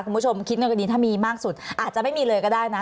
คุณผู้ชมคิดในคดีถ้ามีมากสุดอาจจะไม่มีเลยก็ได้นะ